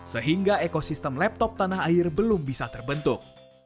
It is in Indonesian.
sehingga ekosistem laptop tanah air belum bisa terbentuk